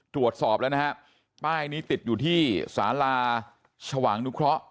ตรวจสอบแล้วนะฮะป้ายนี้ติดอยู่ที่สาราชวางนุเคราะห์